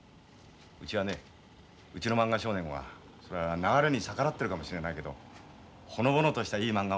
うちはねうちの「漫画少年」は流れに逆らってるかもしれないけどほのぼのとしたいいまんがをね